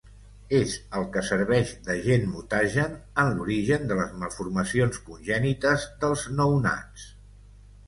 És el que serveix d'agent mutagen en l'origen de les malformacions congènites dels nounats.